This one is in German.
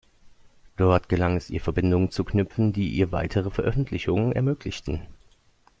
Dort gelang es ihr Verbindungen zu knüpfen, die ihr weitere Veröffentlichungen ermöglichten.